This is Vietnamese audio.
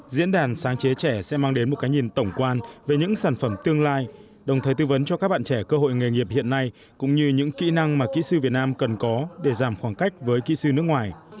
diễn đàn sáng chế trẻ sẽ mang đến một cái nhìn tổng quan về những sản phẩm tương lai đồng thời tư vấn cho các bạn trẻ cơ hội nghề nghiệp hiện nay cũng như những kỹ năng mà kỹ sư việt nam cần có để giảm khoảng cách với kỹ sư nước ngoài